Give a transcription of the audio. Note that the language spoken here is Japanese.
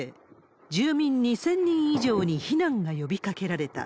住民２０００人以上に避難が呼びかけられた。